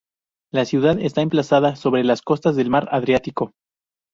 La ciudad está emplazada sobre las costas del mar Adriático.